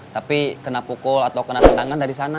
tapi kena pukul atau kena tendangan dari sana